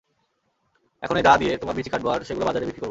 এখন এই দা দিয়ে তোমার বিচি কাটবো আর সেগুলো বাজারে বিক্রি করবো।